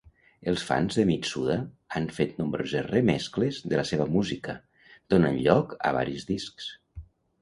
Els fans de Mitsuda han fet nombroses remescles de la seva música, donant lloc a varis discs.